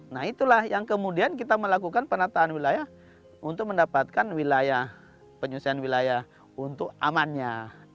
nah itulah yang kemudian kita melakukan penataan wilayah untuk mendapatkan wilayah penyusuan wilayah untuk amannya